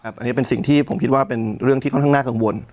อันนี้เป็นสิ่งที่ผมคิดว่าเป็นเรื่องที่ค่อนข้างน่ากังวล